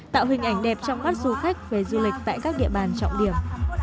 tạo hình ảnh đẹp trong mắt du khách về du lịch tại các địa bàn trọng điểm